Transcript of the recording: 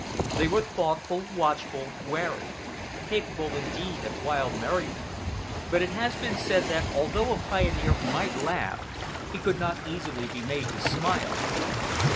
They were thoughtful, watchful, wary; capable indeed of wild merriment: but it has been said that although a pioneer might laugh, he could not easily be made to smile.